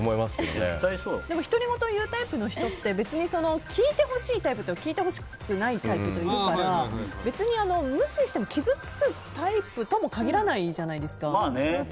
でも、独り言を言うタイプの人って聞いてほしいタイプと聞いてほしくないタイプいるから別に無視しても傷つくタイプとも限らないじゃないですか。